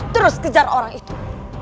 terus kejar orang itu